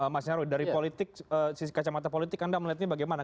mas nyaruy dari politik sisi kacamata politik anda melihat ini bagaimana